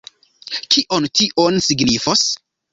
Kion tio signifos?